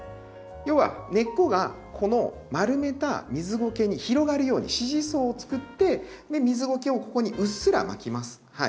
要は根っこがこの丸めた水ゴケに広がるように支持層をつくって水ゴケをここにうっすら巻きます。